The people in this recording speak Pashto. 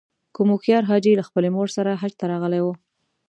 کوم هوښیار حاجي له خپلې مور سره حج ته راغلی و.